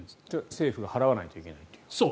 政府が払わないといけないいうことですね。